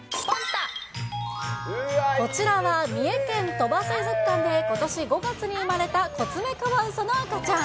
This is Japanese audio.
こちらは三重県鳥羽水族館でことし５月に生まれたコツメカワウソの赤ちゃん。